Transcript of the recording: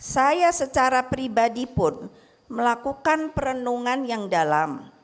saya secara pribadi pun melakukan perenungan yang dalam